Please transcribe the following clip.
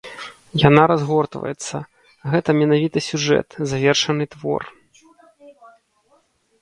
Яна разгортваецца, гэта менавіта сюжэт, завершаны твор.